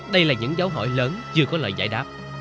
đây là những dấu hỏi lớn chưa có lời giải đáp